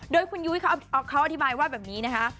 โดยคุณยุ้ยเขาอธิบายว่าแบบนี้นะคะ